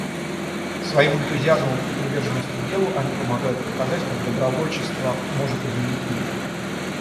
Своим энтузиазмом и приверженностью делу они помогают показать, как добровольчество может изменить мир.